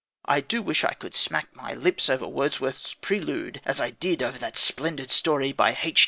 I do wish I could smack my lips over Wordsworth's Prelude as I did over that splendid story by H.